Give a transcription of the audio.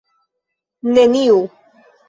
Neniu.